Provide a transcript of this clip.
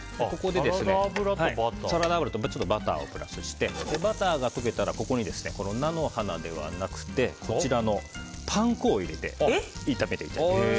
サラダ油とバターをプラスしてバターが溶けたらここに菜の花ではなくてパン粉を入れて炒めていきたいと思います。